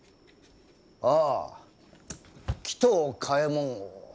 ああ鬼頭嘉右衛門翁。